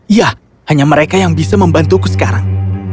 iya hanya mereka yang bisa membantuku sekarang